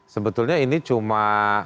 sebetulnya ini cuma